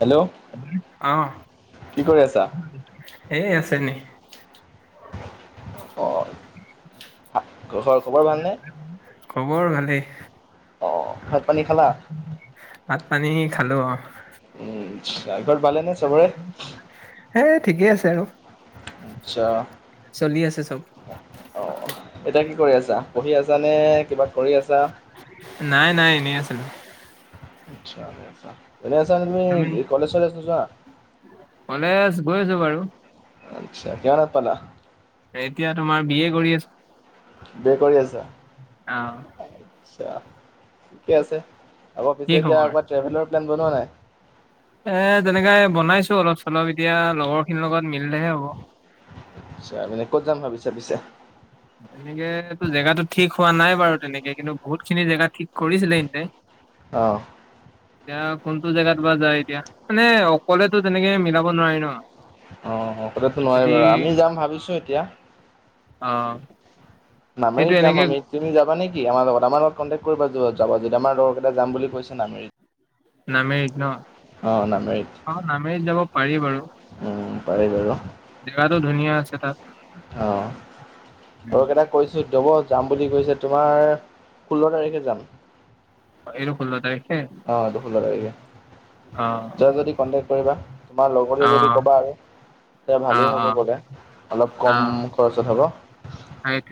Hello আহ কি কৰি আছা এই আছে নি? অ'। খবৰ ভালেই। অ' ভাত পানী খালা? ভাত পানী খালো অ'। ঘাৰপাৰ পালে নে চবৰে? সেই ঠিকেই আছে আৰু। আচছা। চলি আছে চব অ' এতিয়া কি কৰি আছা, পঢ়ি আছা নে কিবা কৰি আছা? নাই নাই এনেই আছিলোঁ। ভালে আছ নে তুমি কলেজ থলেচ নোযোৱা? কলেজ গৈ আছোঁ বাৰু। আচ্ছা কিমানত পালা? এতিয়া তোমাৰ বি এ কৰি আছোঁ। বে কৰি আছা। অ'। আছা ঠিকে আছে, আকৌ কি পিছে এতিয়া খবৰ একো ট্ৰেভেলৰ প্লেন বনোৱা নাই? এ তেনেকে বনাইছো অলপ চলপ এতিয়া লগৰ খিনিৰ লগত মিলিলেহে হ'ব। আটচা মানে ক'ত যাম ভাবিছা পিছে? এনেকো জেগাতটো ঠিক হোৱা নাই বাৰু তেনেকে কিন্তু বহুত খিনি জেগা ঠিক কৰিছিলে হিন্তে। অহ। এতিয়া কোনটো জেগাত বা যায় এতিয়া। মানে অকলেতো তেনেকে মিলাব নোৱাৰি ন'। অ' অকলেটো নোৱাৰি যদি বাৰু, আমি যাম ভাবিছোঁ এতিয়া। অ'। সেইটো নামেৰিত যাম এনেকে আমি। তুমি যাবা নেকি আমাৰ লগত? আমাৰ লগত কনটেক কৰিবা জাবা যদি আমাৰ লগৰকেইটা যাম বুলি কৈছে নামেৰিত। নামেৰিত ন' অঁ নামেৰিত অ', নামেৰিত যাব পাৰি বাৰু। পাৰি বাৰু জেগাটো ধুনীয়া আছে তাত। অ। [inaudible] আৰু‌ কেইটা কৈছো যব যাম বুলি কৈছে তোমাৰ ষোল্ল তাৰিখে যাম। এইটো ষোল্ল তাৰিখ? অ এইটো ষোল্ল তাৰিখে। যোৱা অ', যদি কণ্টেক্ট কৰিবা তোমাৰ লগৰে যদি অ', কবা আৰু। এতিয়া ভালেই হ'ব অ', অ', গ'লে, অলপ কম খৰচত হ'ব। আগ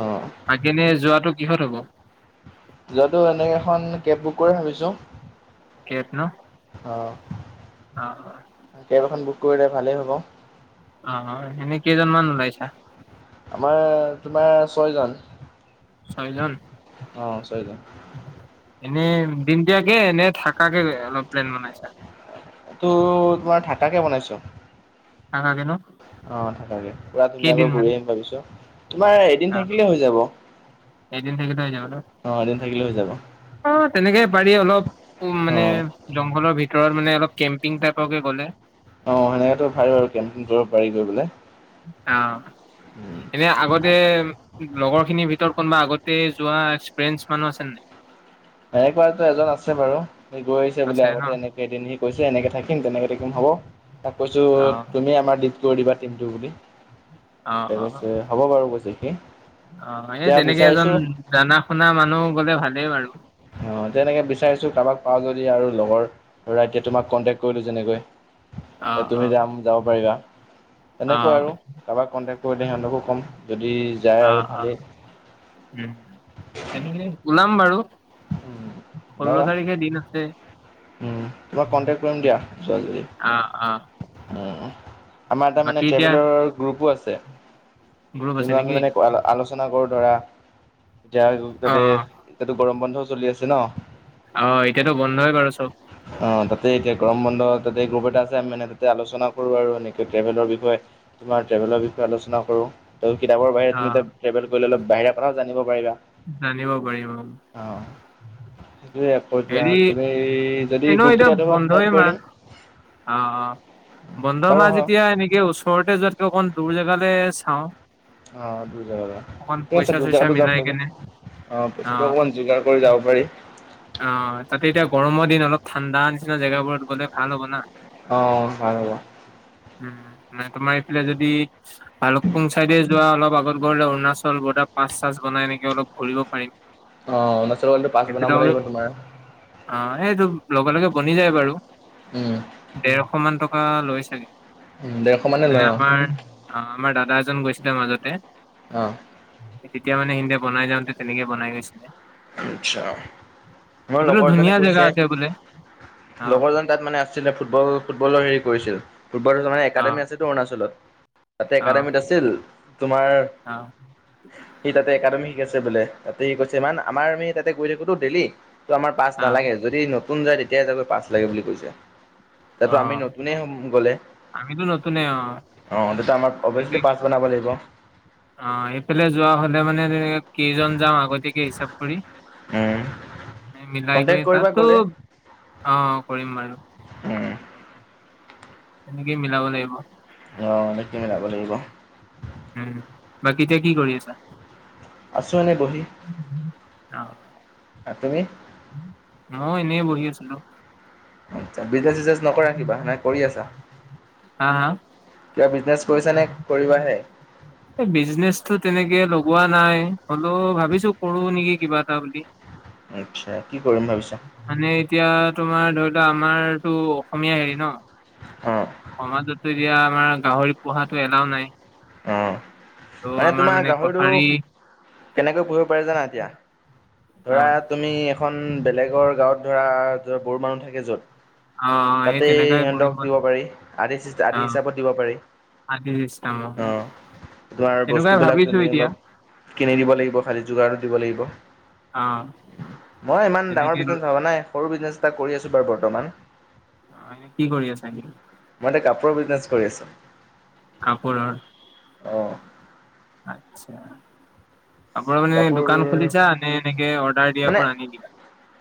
অঁ দিনে যোৱাটো কিহত হ'ব? যোৱাটো এনে এখন কেব বুক কৰিম ভাবিছোঁ। কেব ন? অঁ। অ। কেব এখন বুক কৰিলে ভালেই হ'ব। অ এনেই কেইজনমান ওলাইছা? আমাৰ তোমাৰ ছয়জন। ছয়জন? অঁ ছয়জন এনে দিনটিয়াকে নে থাকাকে প্লেন বনাইছা? টো তোমাৰ থাকাকে বনাইছো। থাকাকে ন? অ থাকাকে, পুৰা কেইদিন ধুনীয়াকৈ মান? ঘূৰি আহিম ভাবিছো। তোমাৰ এদিন অ', থাকিলে হৈ যাব, এদিন থাকিলে হৈ যাব ন? অ এদিন থাকিলে হৈ যাব। অ তেনেকে পাৰি অলপ উ অ মানে জংঘলৰ ভিতৰত মানে অলপ কেম্পিং টাইপৰকৈ গ'লে। অ সেনেকেতো ভালে হ'ল কেম্পিং কৰিব পাৰি গৈ পেলাই। অ, এনে আগতে লগৰ খিনিৰ ভিতৰত কোনোবা আগতে যোৱা এনেকুৱাতো এজন আছে বাৰু, সি গৈ আহিছে বোলে আছে ন আগতে এনেক এদিন সি কৈছে এনেকৈ থাকিম তেনেকৈ থাকিম হ'ব, তাক কৈছোঁ অ তুমি আমাৰ দি কৰি দিবা টিমটো বুলি, অ তাই অ কৈছে হ'ব বাৰু কৈছে সি। অ এই এতিয়া তেনেকে এজন বিচাৰিছো জানা শুনা মানুহ গলে ভালেই বাৰু। অ তেনেকৈ বিচাৰিছোঁ কাৰোবাক পাওঁ যদি আৰু লগৰ ল'ৰা এতিয়া তোমাক কণ্টেক্ট কৰিলোঁ যেনেকৈ। অ এ অ তুমি যাম যাব পাৰিবা, অ তেনেকৈ আৰু কাৰোবাক কন্টেক্ট কৰিলে সিহঁতকো ক'ম। যদি যায় অ, আৰু অ, ভালেই উম, তেনেহলে ওলাম বাৰু। ষোল্ল তাৰিখে দিন আছে। উম, তোমাক কণ্টেক্ট কৰিম দিয়া যোৱা যদি। আ, আ। উ আমাৰ এটা মানে এতিয়া ট্ৰেভেলৰৰ গ্ৰুপো আছে। গ্ৰুপ আছে যোনটো আমি নেকি? মানে আ আলোচ চনা কৰো ধৰা, এতিয়া অ তাতে অ এতিয়াতো গৰম বন্ধও চলি আছে ন। অ এতিয়াতো বন্ধই বাৰু চব। অ তাতে এতিয়া গ্ৰম বন্ধ তাতে গ্ৰুপ এটা তাতে আলোচনা কৰোঁ আৰু এনেকৈ ট্ৰেভেলৰ বিষয়ে, তোমাৰ ট্ৰেভেলৰ বিষয়ে আলোচনা কৰোঁ। ত কিতাপৰ বাহিৰে অ তুমি তাত ট্ৰেভেল কৰিলে অলপ বাহিৰা কথাও জানিব পাৰিবা। জানিব পাৰিম অ। অ, সেইটোৱে আকৌ এতিয়া হেৰি তুমি যদি এনেও এতিয়া গ্ৰুপটোত এড হ'ব খোজা বন্ধই এড কৰি মাহ দিম। অ, অ, বন্ধ বাৰু মাহ হ যেতিয়া এনেকে ওচ চৰতে যোৱাতকে অকণ দূৰ জেগালৈ চাওঁ। অ দূৰ জেগালৈ, অকণ ঠিকে আছে পইচা দূৰ চইচা জাগাতো যাব মিলাই পাৰে, কেনে অ অ পিছত অকণমান যোগাৰ কৰি যাব পাৰি। অ, তাতে এতিয়া গৰমৰ দিন অলপ ঠাণ্ডা নিচিনা জেগাবোৰত গলে ভাল হ'ব না। অ, ভাল হ'ব। উম, মানে তোমাৰ এইফালে যদি ভালুকপুং চাইডে যোৱা অলপ আগত। ৰ অৰুণাচল বৰ্ডাৰ পাছ চা বাই এনেক অলপ ঘৰি পাৰিম। অৰুণাচলৱলটো পাচ সেইফালে বনাব লাগিব তোমাৰ। অ, এইটো লগে লগে বনি যায় বাৰু। উম, ডেৰশ মান টকা লৈ চাগে ডেৰশ লয় মানে অঁ আমাৰ। অ, আমাৰ দাদা এজন গৈছিলে মাজতে। অ, তেতিয়া মানে সেইে বনাই যাওঁতে তেনেকে বনাই গৈছিলে। আটছা মোৰ সেইফালে লগৰ এজনে ধুনীয়া জেগা কৈছে আছে বোলে অ লগৰ জন। তাত মানে আছিলে ফুটবল ফুটবলৰ হেৰি কৰিছিল। ফুটবল মানে অ একাডেমি আছেতো অৰুণাচলত তাতে অঁ একাডেমীত আছিল তোমাৰ। অঁ সি তাতে একাডেমী শিকাইছে বোলে। তাতে সি কৈছে ইমান আমাৰ আমি তাতে গৈ থাকোতো ডেইলি। তটো আমাৰ পাঁচ অঁ নালাগে যদি নতুন যায় তেতিয়াই চাগৈ পাঁচ লাগে বুলি কৈছে। তাতো আমি অঁ নতুনে গলে আমিতো নতুনে অঁ অ, ত আমাৰ অভাচল প বনাব লাগিব। অ, এইফালে যোৱা হ'লে মানে কেইজন যাম আগতীয়াকে হিচাপ কৰি। উম মিলাই কন্টেক্ট কৰি কৰিবা তাতো গ'লে অ, কৰিম বাৰু। উম, তেনেকেই মিলাব লাগিব। অ, মনেকৈ মিলাব লাগিব। উম, বাকী এতিয়া কি কৰি আছা। আছোঁ এনে বহি, আপোনি? ম এনেই বহি আছিলো। আচ্ছা বিজ নকৰা কিবা, নাই কৰি আছা হা হা কিবা বিজনেছ কৰিছা নে কৰিবাহে। এই বিজনেচ টো তেনেকে লগোৱা নাই হলেও ভাবিছো কৰো নেকি কিবা এটা বুলি। আচ্ছা কি কৰিম ভাবিছা। মানে এতিয়া তোমাৰ ধৰি লোৱা আমাৰতো অসমীয়া হেৰি ন। অ, সমাজতো এতিয়া আমাৰ গাহৰি পোহাটো এলাও নাই। অ', ত' মানে আমাৰ তোমাৰ গাহৰিটো কছাৰী কেনেকৈ পুহিব পাৰে জানা? এতিয়া, ধৰা অঁ তুমি এখন বেলেগৰ গাঁৱত, ধৰা য বড়ো মানুহ থাকে য'ত অ', সেই তাতেই তেনেকাই কৰিব সিহঁতক দিব লাগিব। পাৰি, আদি আদি হিচাপত দিব পাৰি। আদি চিষ্টেমত, অ তোমাৰ বস্তুবিলাক তুমি অলপ, কিনি দিব লাগিব, খালি যোগাৰতো দিব লাগিব। অ, মই ইমান ডাঙৰ তেনেকে বিজনেছ ভবা নাই। সৰু বিজনেছ এটা কৰি আছোঁ বাৰু বৰ্তমান। হয়, নেকি কি কৰি আছা? মই কাপোৰৰ বিজনেছ কৰি আছোঁ। কাপোৰৰ, অ আচ্ছা কাপোৰ মানে দোকান খুলিছা? নে এনেকে অৰ্ডাৰ মানে দিয়াবোৰ আনি দিবা?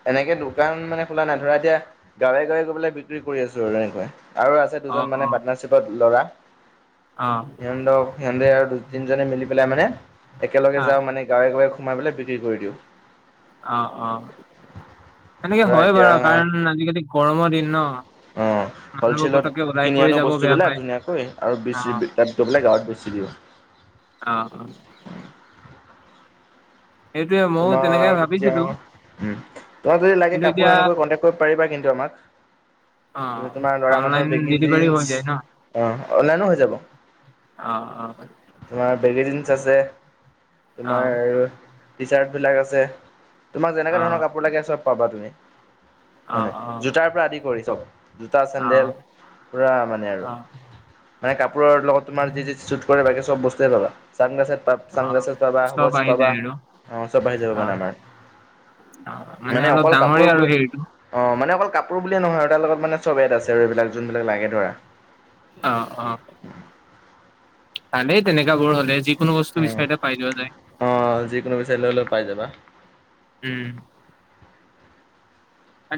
এনেকে দোকান মানে খোলা নাই। ধৰা এতিয়া গাঁৱে গাঁৱে গৈ পেলাই বিক্ৰী কৰি আছোঁ আৰু এনেকে। আৰু আছে অ', দুজন মানে অ', পাৰ্টনাৰশ্বিপত ল'ৰা। অ, সিহঁতক, সিহঁতে আৰু দুই তিনিজনে মিলি পেলাই মানে একেলগে অ', যাওঁ মানে। গাঁৱে গাঁৱে সোমাই পেলাই বিক্ৰী কৰি দিওঁ। অ', অ, সেনেকে ধৰা হয় এতিয়া বাৰু কাৰণ আজিকালি গৰমৰ দিন ন? অঁ মানুহবিলাকে হ'লচেলত পটকে কিনি আনো বস্তুবিলাক ধুনীয়াকৈ আৰু অ', বেছি অ', তাত গৈ পেলাই গাঁৱত বেছি দিওঁ। অ', অ'। সেইটোয়ে ময়ো তেনেকে তোমাক এতিয়া ভাবিছিলো উম তোমাক যদি লাগে কিন্তু কাপোৰ এতিয়া এনেকৈ কন্টেক্ট কৰিব পাৰিবা কিন্তু আমাক। অ', [inaudible] তোমাৰ ল'ৰা অনলাইন মানুহৰ বেগী ডেলিভাৰী হৈ জীনচ্ যায় ন' আহ অনলাইনো হৈ যাব। অ', অ'। তোমাৰ বেগিজিনছ আছে, তোমাৰ অ', টি চাৰ্টবিলাক আছে। তোমাক যেনেকুৱা অ', ধৰণৰ কাপোৰ লাগে চব পাবা তুমি, হয় নাই অ', অ'। জোতাৰ পৰা আদি কৰি চব। জোতা, চেন্ডেল অ', পুৰা মানে আৰু। অ', মানে কাপোৰৰ লগত তোমাৰ যি যি চুট কৰে, বাকী চব বস্তুৱে পাবা। চানগ্লাচেচ পা অ', চানগ্লাচেচ পাবা, চব ওৱাছ আহি যায় পাবা। আৰু অ', চব পায় যাব মানে অ', আমাৰ, অ', মানে অলপ অকল ডাঙৰে আৰু কাপোৰবোৰে হেৰিটো অ', মানে অকল কাপোৰ বুলিয়ে নহয় আৰু তাৰ লগত মানে চব এড আছে আৰু এইবিলাক যোনবিলাক লাগে ধৰা। অ', অ'। ভালেই তেনেকাবোৰ হ'লে যি কোনো বস্তু উম বিচাৰোতে পাই যোৱা যায়। অ যিকোনো বিচাৰিলে হ'লেও পাই যাবা উম।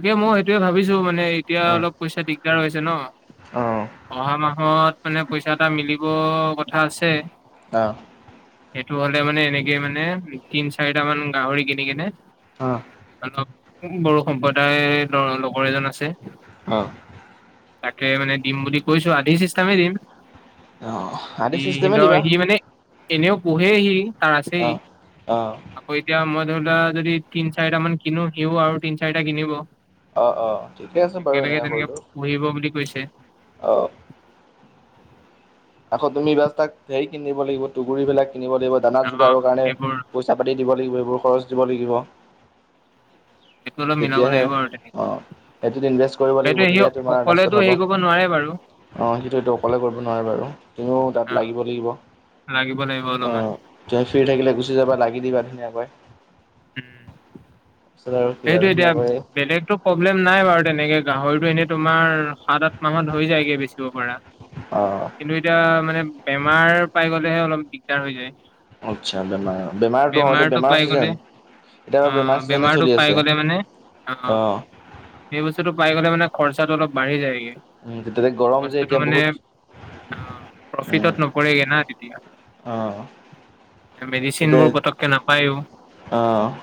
তাকে মই সেইটোৱে ভাবিছোঁ মানে এতিয়া উম অলপ পইচা দিগদাৰ হৈছে ন, অ অহা মাহত মানে পইচা এটা মিলিব কথা আছে। অ'। সেইটো হ'লে মানে এনেকে মানে তিন চাৰিটা মান গাহৰি কিনি কেনে। অ'। অলপ বড়ো সম্প্ৰদায় লগ লগৰ এজন আছে। অ'। তাকে মানে দিম বুলি কৈছোঁ, আধি চিষ্টতেমেই দিম। অ আদি সি চিষ্টেমে দিবা সিহঁতৰ সি মানে এনেও পুহেই সি তাৰ আছেই। অ অ আকৌ, এতিয়া মই ধৰি লোৱা যদি তিন চাৰিটা মান কিনো, সিও আৰু তিনি চাৰিটা মান কিনিব। অ', অ', ঠিকে আছে বাৰু, এনেকুৱা কৰিলেও। পহিব বুলি কৈছে। অ'। আকৌ তুমি এইবাৰ তাক হেৰি কিনিব লাগিব তুকুৰিবিলাক কিনিব লাগিব দানা অ যোগাৰৰ কাৰণে সেইবোৰ। পইচা পাতি দিব লাগিব এইবোৰ খৰচ দিব লাগিব। সেইটো অলপ মিলাব তেতিয়াহে লাগিব আৰু তেনেকে অ'। সেইটোত ইনভেষ্ট কৰিব লাগিব সেইটো সি তেতিয়া তোমাৰ লাষ্টত অকলেতো হ'ব। হেৰি অ', কৰিব নোৱাৰে বাৰু সেইটো এইটো অকলে কৰিব নোৱাৰে বাৰু তুমিও অ। তাত লাগিব লাগিব। লাগিব লাগিব অলপমান। ফ্ৰি থাকিলে গুচি যাবা লাগি দিবা ধুনীয়াকৈ। উম। তাৰপিছত আৰু কি আৰু সেইটো এতিয়া ধুনীয়াকৈ বেলেগতো প্ৰব্লেম নাই বাৰু তেনেকৈ গাহৰিটো এনেই তোমাৰ সাত আঠ মাহত হৈ যায়গৈ বেচিব পাৰা। অঁ কিন্তু এতিয়া মানে বেমাৰ পাই গ'লেহে অলপ দিগদাৰ হৈ যায়। আচ্ছা বেমাৰ বেমাৰতো অ' এতিয়া বেমাৰটো বেমাৰৰ পাই গ'লে চিজন অ এতিয়া বেমাৰ চিজনে বেমাৰটো চলি পাই আছে গ'লে মানে অ' অঁ সেই বস্তুটো পাই গ'লে মানে খৰচাটো অলপ বাঢ়ি যায় গে। উম, তেতিয়াতে গৰম যে এতিয়া বহুত। অ', প্ৰফিটত নকৰেগে না তেতিয়া। অঁ মেডিচিনবোৰ পতকে নাপায়ো। অ'।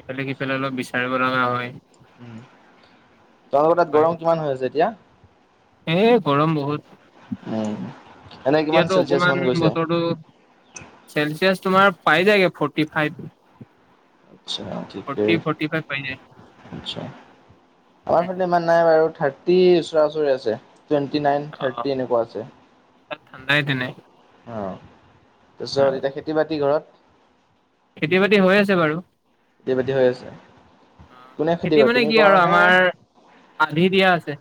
এইফালে সিফালে অলপ বিচাৰিব লগা হয়। উম, তোমালোকৰ তাত তেনেকুৱাই গৰম কিমান হৈ আছে এতিয়া? এ গৰম বহুত। উম। এনে কিমান এতিয়াতো চেলচিয়াছ অকমান মান গৈছে? বতৰটো। চেলচিয়াছ তোমাৰ পাই যায়গে ফৰ্টি ফাইভ। আচ্ছা ঠিকে ফৰ্টি ফৰ্টী ফাইভ পাই যায়। [unintelligible] আমাৰ ইফালে মানে থাৰ্টি ওচৰাওচৰি আছে। টুৱেণ্টি নাইন অ থাৰ্টি এনেকুৱা আছে। ঠাণ্ডাই তেনে। অ অ তাৰপিছত এতিয়া খেতি বাতি ঘৰত। খেতি বাতি হৈ আছে বাৰু। খেতি বাতি হৈ আছে। অ কোনে খেতি কৰে মানে তুমি কি কৰা আৰু নে? আমাৰ আধি দিয়া আছে।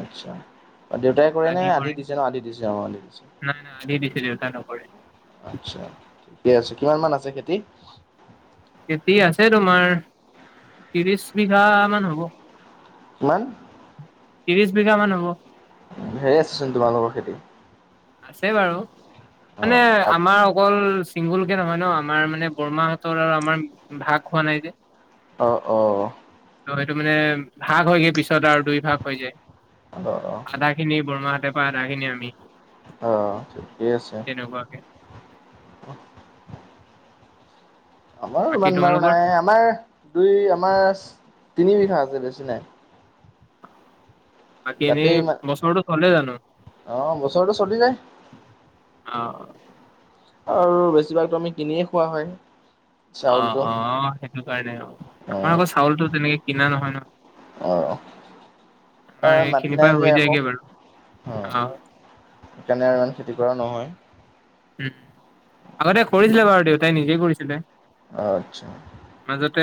আচ্ছা। দেউতাই কৰে নে আধি দিছে ন আধি দিছে অ আধি দিছে। নাই নাই আধি দিছে দেউতা নকৰে আচ্ছা ঠিকে আছে কিমান মান আছে খেতি। খেতি আছে তোমাৰ ত্ৰিশ বিঘা মান হ'ব। কিমান। ত্ৰিশ বিঘা মান হ'ব। ধেৰ চোন তোমালোকৰ খেতি। আছে বাৰু মানে অ' অ' আমাৰ অকল। চিংগুল কে নহয় নহ আমাৰ মানে বৰমাহঁতৰ আৰু আমাৰ ভাগ হোৱা নাই যে। অ, অ। ত' সেইটো মানে ভাগ হয়গৈ পিছত আৰু দুই ভাগ হৈ যায়। অ। আধা খিনি বৰমাহঁতে পায় আধা খিনি আমি। অ ঠিকে আছে। [unintelligible] আমাৰো বাকী ইমান বাৰু তোমালোকৰ নাই আমাৰ দুই আমাৰ তিনি বিঘা আছে বেছি নাই। বাকী তাতে এনেই ইমান বছৰটো চলে জানোঁ। অ বছৰটো চলি যায় [inaudible] অ। আৰু বেছিভাগতো আমি কিনিয়ে খোৱা হয়। অ, চাউলটো অ অ সেইটো কাৰণে অ আমাৰ আকৌ চাউলটো তেনেকে কিনা নহয় নহ। অ অ আমাৰ মাটি এইখিনিৰ নাই পৰা যে হৈ আকৌ যায়গে বাৰু অ। সেইকাৰণে আৰু ইমান খেতি কৰা নহয়। উম আগতে কৰিছিলে বাৰু দেউতাই নিজে কৰিছিলে। আচ্ছা। মাজতে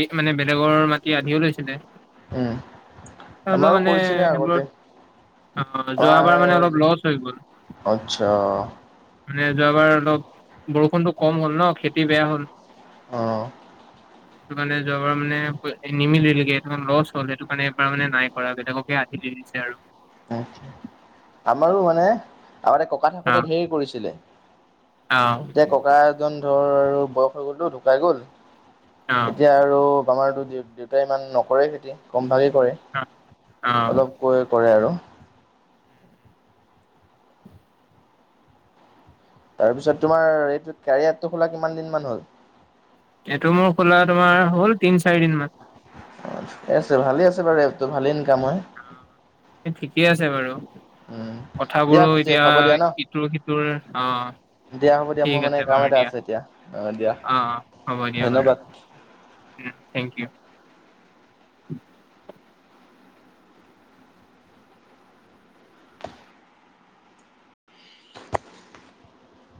বিঘ মানে বেলেগৰ মাটি আধিও লৈছিলে। উম। হ'লেও আমাৰো মানে কৰিছেনে আগতে সেইবোৰত অ যোৱাবাৰ মানে অলপ আমাৰ। লচ হৈ গ'ল আচ্ছা। মানে যোৱাবাৰ অলপ বৰষুণটো কম হ'ল নহ খেতি বেয়া হ'ল। অ [inaudible] সেইটো কাৰণে যোৱাবাৰ মানে নিমিলিলগে [unintelligible] লছ হ'ল সেইটো কাৰণে এবাৰ মানে নাই কৰা বেলেগকে আধি। দিছে আৰু। আমাৰো মানে আগতে ককা অ থাকোঁতে ধেৰ কৰিছিলে। অ এতিয়া ককা এজন ধৰ আৰু বয়স হৈ গ'লটো ঢুকাই গ'ল অ এতিয়া আৰ আৰু আমাৰ দেউতাই ইমান নকৰে খেতি কমভাগেই কৰে। অ, অ। [unintelligible] কৰে আৰু। তাৰপিছত তোমাৰ এইটো কাৰইয়া এপটো খোলা কিমান দিন মান হ'ল। এইটো মোৰ খোলা তোমাৰ হ'ল তিনি চাৰি দিন মান। [unintelligible] আছে ভালে আছে বাৰু এপটো ভালে ইনকাম হয়। ঠিকেই আছে বাৰু উম দিয়া কথাবোৰো পিছে এতিয়া হ'ব দিয়া ন ইটোৰ সিটোৰ অ দিয়া হ'ব দিয়া মোৰ ঠিক মানে আছে কাম এটা বাৰু দিয়া এতিয়া দিয়া অ হ'ব দিয়া বাৰু। ধন্যবাদ উম থেংক ইউ।